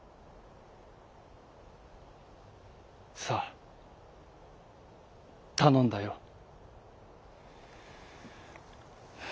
「さあたのんだよ」。